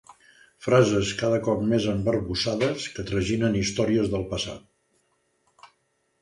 Frases cada cop més embarbussades que traginen històries del passat.